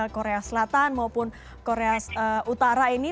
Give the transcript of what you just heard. korea selatan maupun korea utara ini